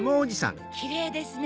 キレイですね。